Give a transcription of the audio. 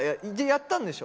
やったんでしょ。